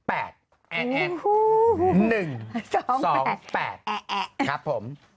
แอ๊ะแอ๊ะ๑๒๘แอ๊ะแอ๊ะครับผม